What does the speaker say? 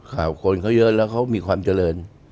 คนเขาเยอะแล้วเขามีความเจริญ